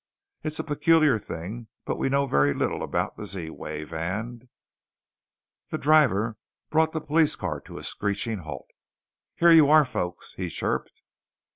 It's a peculiar thing, but we know very little about the Z wave, and " The driver brought the police car to a screeching halt. "Here you are, folks," he chirped.